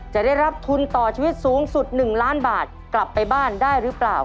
จะได้รับทุนต่อชีวิตสูงสุด๑ล้านบาทกลับไปบ้านได้หรือเปล่า